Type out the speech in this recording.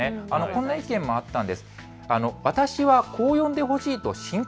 こんな意見もあったんです。